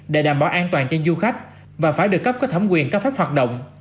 để đảm bảo an toàn cho du khách và phải được cấp các thẩm quyền các pháp hoạt động